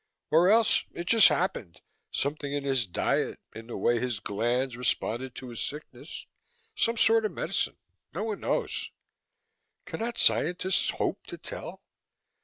"Or else it just happened. Something in his diet, in the way his glands responded to a sickness, some sort of medicine. No one knows." "Cannot scientists hope to tell?"